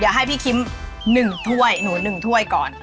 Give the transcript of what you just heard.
เดี๋ยวให้พี่คิม๑ถ้วยหนู๑ถ้วยก่อน